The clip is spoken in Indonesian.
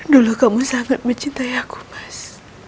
dulu kamu sangat mencintai aku mas